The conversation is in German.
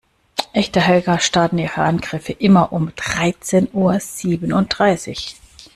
Echte Hacker starten ihre Angriffe immer um dreizehn Uhr siebenunddreißig.